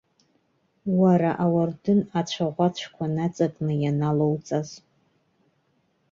Уара ауардын ацәаӷәацәқәа наҵакны ианалауҵаз.